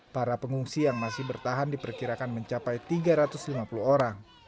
para pengungsi yang masih bertahan diperkirakan mencapai tiga ratus lima puluh orang